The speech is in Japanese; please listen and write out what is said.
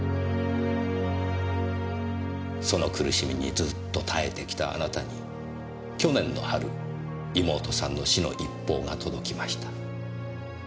その苦しみにずっと耐えてきたあなたに去年の春妹さんの死の一報が届きました。